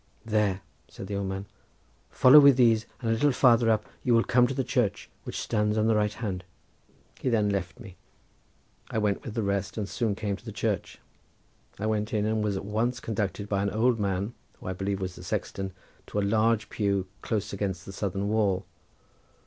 "There," said the old man, "follow with these, and a little farther up you will come to the church, which stands on the right hand." He then left me. I went with the rest and soon came to the church. I went in and was at once conducted by an old man who I believe was the sexton to a large pew close against the southern wall.